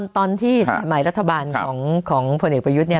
ตอนที่ใหม่รัฐบาลของของพลเนกประยุทธเนี่ย